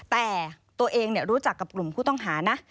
แต่ตัวเองรู้จักกับกลุ่มผู้ต้องหานะ